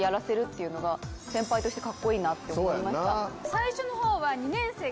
最初の方は。